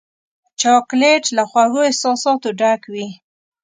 چاکلېټ له خوږو احساساتو ډک وي.